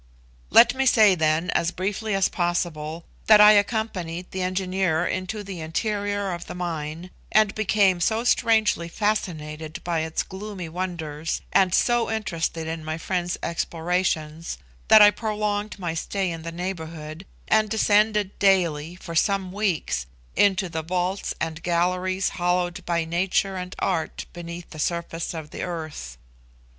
Let me say, then, as briefly as possible, that I accompanied the engineer into the interior of the mine, and became so strangely fascinated by its gloomy wonders, and so interested in my friend's explorations, that I prolonged my stay in the neighbourhood, and descended daily, for some weeks, into the vaults and galleries hollowed by nature and art beneath the surface of the earth.